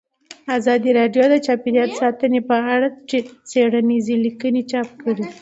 ازادي راډیو د چاپیریال ساتنه په اړه څېړنیزې لیکنې چاپ کړي.